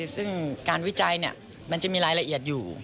ซึ่งการวิจัยมันจะมีรายละเอียดอยู่